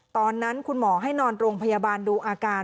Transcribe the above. ตอนนั้นคุณหมอให้นอนโรงพยาบาลดูอาการ